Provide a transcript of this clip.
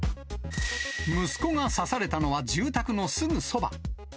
息子が刺されたのは、住宅のすぐそば。